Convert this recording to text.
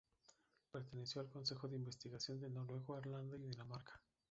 Perteneció al Consejo de Investigación de Noruega, Holanda y Dinamarca.